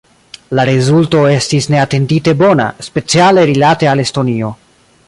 La rezulto estis neatendite bona, speciale rilate al Estonio.